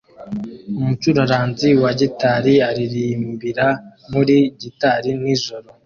Umucuraranzi wa gitari aririmbira muri gitari nijoro